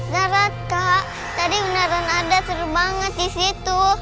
naras kak tadi naran ada seru banget disitu